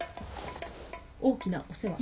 大きなお世話。